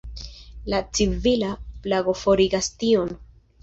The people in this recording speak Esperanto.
La civila flago forigas tion.